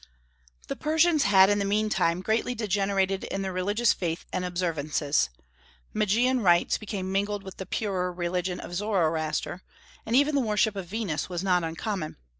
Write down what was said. The Persians had in the mean time greatly degenerated in their religious faith and observances. Magian rites became mingled with the purer religion of Zoroaster, and even the worship of Venus was not uncommon.